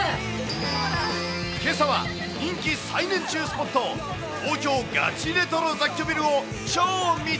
けさは、人気再燃中スポット、ＴＯＫＹＯガチレトロ雑居ビルを超見た。